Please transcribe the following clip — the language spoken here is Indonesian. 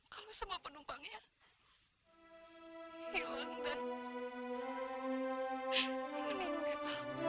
kalau semua penumpangnya hilang dan meninggal